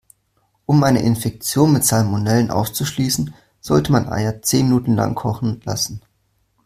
Um eine Infektion mit Salmonellen auszuschließen, sollte man Eier zehn Minuten lang kochen lassen.